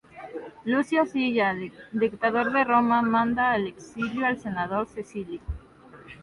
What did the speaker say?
Lucio Silla, dictador de Roma, manda al exilio al senador Cecilio.